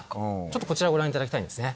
こちらをご覧いただきたいんですね。